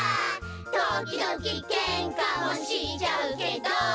「ときどきケンカもしちゃうけど」